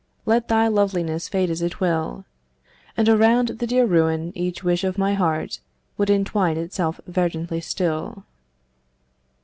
Let thy loveliness fade as it will. And around the dear ruin each wish of my heart Would entwine itself verdantly still.